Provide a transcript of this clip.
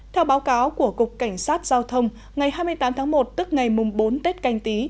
theo báo cáo của cục cảnh sát giao thông ngày hai mươi tám tháng một tức ngày mùng bốn tết canh tí